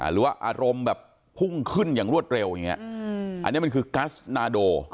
หรือว่าอารมณ์แบบพุ่งขึ้นอย่างรวดเร็วอย่างนี้อันนี้มันคือกัสนาโด